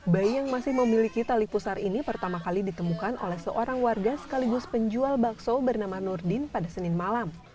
bayi yang masih memiliki tali pusar ini pertama kali ditemukan oleh seorang warga sekaligus penjual bakso bernama nurdin pada senin malam